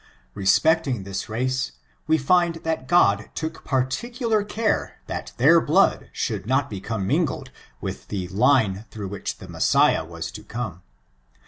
Respecting this race, we find that God took partic ular care that their blood should not become mingled with the line through which the Messiah was to come.